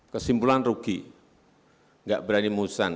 kesimpulan rugi nggak berani musan